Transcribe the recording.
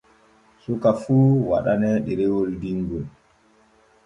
Suka fu waɗanee ɗerewol dinŋol.